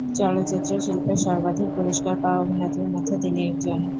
চলচ্চিত্র শিল্পে সর্বাধিক পুরস্কার পাওয়া অভিনেত্রীর মধ্যে তিনি একজন।